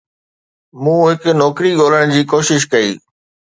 مون هڪ نوڪري ڳولڻ جي ڪوشش ڪئي.